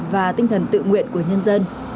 và tinh thần tự nguyện của nhân dân